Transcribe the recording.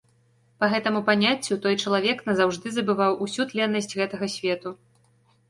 Па гэтаму паняццю, той чалавек назаўжды забываў усю тленнасць гэтага свету.